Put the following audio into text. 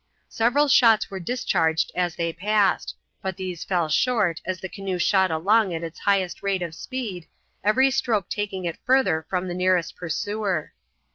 Several shots were discharged as they passed, but these fell short as the canoe shot along at its highest rate of speed, every stroke taking it further from its nearest pursuer.